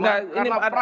nah ini adalah